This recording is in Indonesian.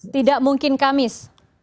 tidak mungkin kamis